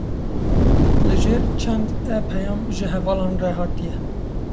Li jêr çend e-peyam ji hevalan re hatiye.